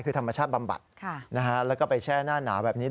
คือธรรมชาติบำบัดแล้วก็ไปแช่หน้าหนาวแบบนี้